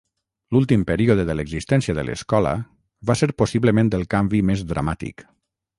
L'últim període de l'existència de l'escola va ser possiblement el canvi més dramàtic.